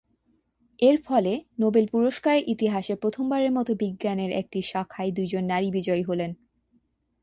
এর ফলে নোবেল পুরস্কারের ইতিহাসে প্রথমবারের মতো বিজ্ঞানের একটি শাখায় দুইজন নারী বিজয়ী হলেন।